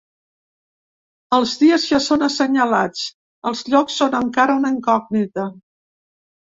Els dies ja són assenyalats; els llocs són encara una incògnita.